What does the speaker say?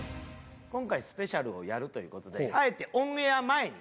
今回スペシャルをやるという事であえてオンエア前に。